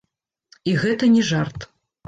І гэта не жарт.